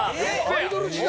アイドル時代？